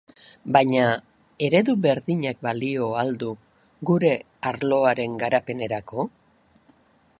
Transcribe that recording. Baina eredu berdinak balio al du gure arloaren garapenerako?